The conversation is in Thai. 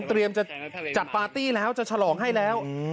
จะจัดปาร์ตี้แล้วจะฉลองให้แล้ว